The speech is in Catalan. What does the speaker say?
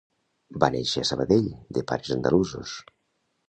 Va néixer a Sabadell , de pares andalusos